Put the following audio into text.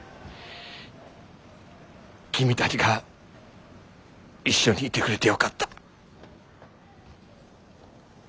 君たちが一緒にいてくれてよかった。